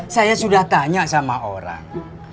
saya sudah tanya sama orang